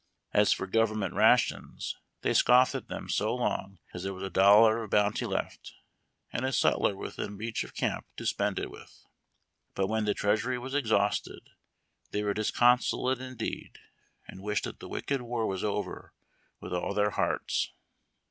As for government rations, they scoffed at them so long as there was a dollar of bounty left, and a sutler within reach of camp to spend it with. But when the treasury was exhausted they were disconsolate indeed, and wished that the wicked war was over, with all their hearts.